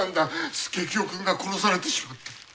佐清くんが殺されてしまった。